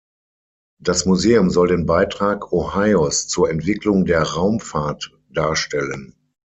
Das Museum soll den Beitrag Ohios zur Entwicklung der Raumfahrt darstellen.